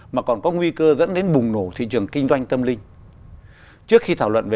mà còn có nguy cơ dẫn đến bùng nổ thị trường kinh doanh tâm linh